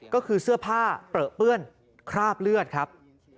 ก็คือเสื้อผ้าเปลือเปื้อนคราบเลือดครับ